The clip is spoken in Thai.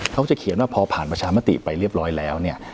เขาจะเขียนว่าพอผ่านประชามติไปเรียบร้อยแล้วเนี่ย